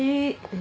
え